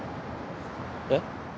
えっ？